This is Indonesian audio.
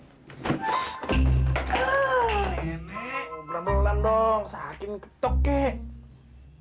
berlan berlan dong saking ketok kek